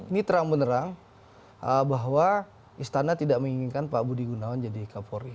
ini terang benerang bahwa istana tidak menginginkan pak budi gunawan jadi kapolri